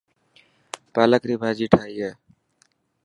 پالڪ ري ڀاڄي ٺاهي هي.